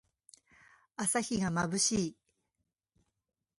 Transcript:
朝日がまぶしい。